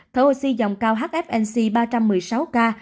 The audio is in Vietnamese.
thở oxy dòng cao hfnc ba trăm một mươi sáu k